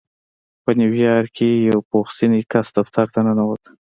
په نيويارک کې يو پوخ سنی کس دفتر ته ننوت.